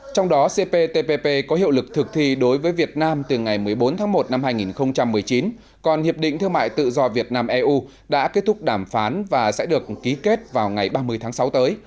trong đó cptpp có hiệu lực thực thi đối với việt nam từ ngày một mươi bốn tháng một năm hai nghìn một mươi chín còn hiệp định thương mại tự do việt nam eu đã kết thúc đàm phán và sẽ được ký kết vào ngày ba mươi tháng sáu tới